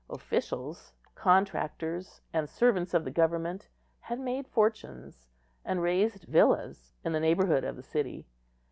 Officials, contractors, and servants of the government had made fortunes, and raised villas in the neighbourhood of the city.